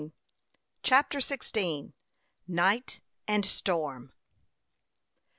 CHAPTER XVI. NIGHT AND STORM.